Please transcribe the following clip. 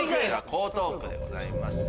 江東区でございます！